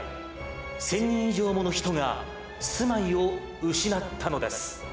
１０００人以上もの人が住まいを失ったのです。